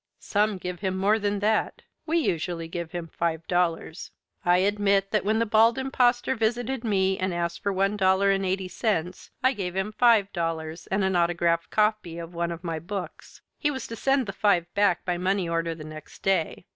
Some give him more than that. We usually give him five dollars. [Illustration: HE PERSPIRES, AND OUT COMES THE CRUEL ADMISSION] I admit that when the Bald Impostor visited me and asked for one dollar and eighty cents I gave him five dollars and an autographed copy of one of my books. He was to send the five back by money order the next day.